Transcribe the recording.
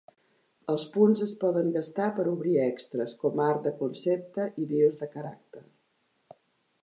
Els punts es poden gastar per obrir extres, com art de concepte i BIOS de caràcter.